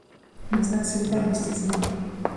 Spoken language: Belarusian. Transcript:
На знак салідарнасці з ім.